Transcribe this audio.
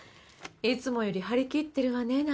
いつもより張り切ってるわね